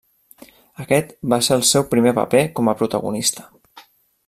Aquest va ser el seu primer paper com a protagonista.